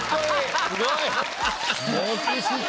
すごい。